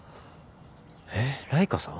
えっライカさん？